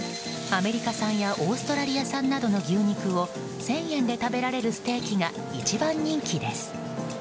アメリカ産やオーストラリア産などの牛肉を１０００円で食べられるステーキが一番人気です。